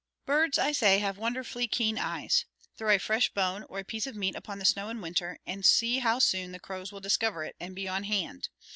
Birds, I say, have wonderfully keen eyes. Throw a fresh bone or a piece of meat upon the snow in winter, and see how soon the crows will discover it and be on hand.